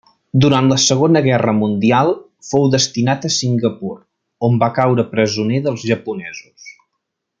Durant la segona guerra mundial fou destinat a Singapur, on va caure presoner dels japonesos.